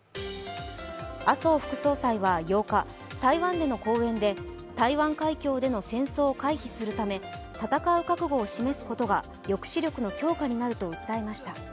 麻生副総裁は８日、台湾での講演で台湾海峡での戦争を回避するため戦う覚悟を示すことが抑止力の強化になると訴えました。